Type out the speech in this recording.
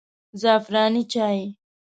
زعفراني چای